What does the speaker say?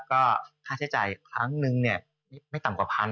ก็ค่าเจภัยครั้งนึงไม่ต่ำกว่าพัน